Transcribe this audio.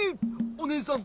おねえさん。